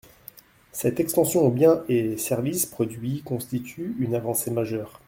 Cette extension aux biens et services produits constitue une avancée majeure.